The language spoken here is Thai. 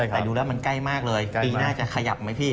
แต่ดูแล้วมันใกล้มากเลยปีหน้าจะขยับไหมพี่